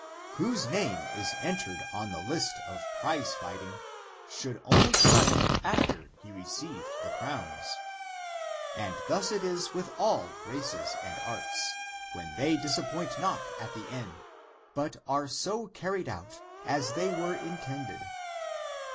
Whose name is entered on the list of prize fighting should only triumph after he received the crowns. And thus it is with all races and arts, when they disappoint not at the end, but are so carried out, as they were intended.